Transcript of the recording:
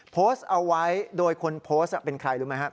โพสต์เอาไว้โดยคนโพสต์เป็นใครรู้ไหมครับ